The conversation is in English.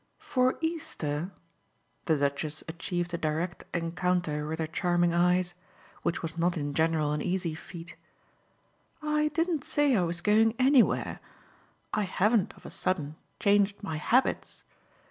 "For Easter?" The Duchess achieved a direct encounter with her charming eyes which was not in general an easy feat. "I didn't say I was going anywhere. I haven't of a sudden changed my habits.